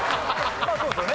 まあそうですよね。